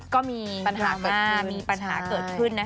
ก็มีปัญหาเกิดขึ้น